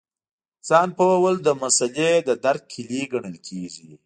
ځان پوهول د مسألې د درک کیلي ګڼل کېږي.